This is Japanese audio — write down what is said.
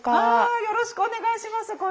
あよろしくお願いします。